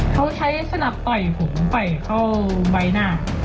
เขาใช้สนับต่อยผมต่อยเข้าใบหน้า